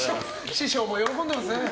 師匠も喜んでますね。